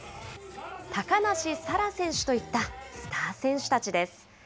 高梨沙羅選手といったスター選手たちです。